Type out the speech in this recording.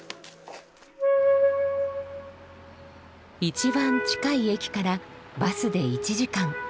一番近い駅からバスで１時間。